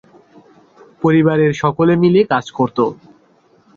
পরিবারের সকলে মিলে কাজ করত।